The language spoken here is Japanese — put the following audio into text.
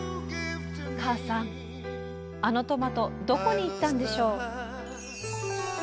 母さんあのトマトどこにいったんでしょう。